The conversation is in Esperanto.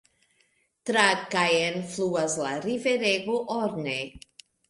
Tra Caen fluas la riverego Orne.